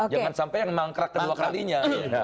jangan sampai yang mangkrak kedua kalinya